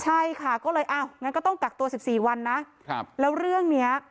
ใช่ค่ะก็เลยอ้าวงั้นก็ต้องกักตัว๑๔วันนะแล้วเรื่องเนี้ย